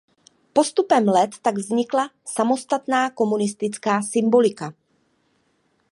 Postupem let tak vznikla samostatná komunistická symbolika.